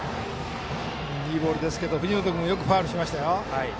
いいボールですけど藤本君もよくファウルにしました。